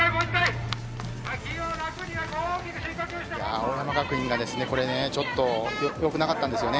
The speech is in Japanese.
青山学院がちょっとよくなかったんですよね。